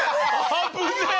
危ねえ！